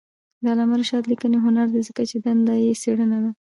د علامه رشاد لیکنی هنر مهم دی ځکه چې دنده یې څېړنه ده.